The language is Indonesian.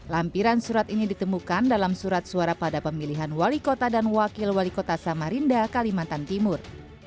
lampiran surat ini ditemukan dalam surat suara pada pemilihan wali kota dan wakil wali kota samarinda kalimantan timur